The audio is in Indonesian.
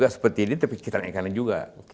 seperti ini tapi kita naikkan juga